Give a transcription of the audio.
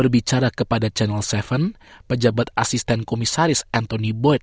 di arsenal tujuh pejabat asisten komisaris anthony boyd